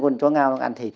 nó còn chó ngao ăn thịt